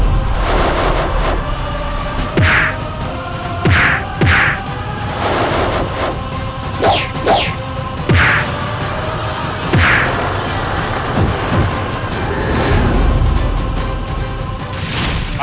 tidak ada yang bisa dihukum